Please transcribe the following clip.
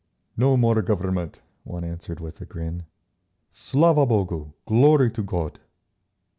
"No more Government," one answered with a grin, "Slava Bogu! Glory to God!"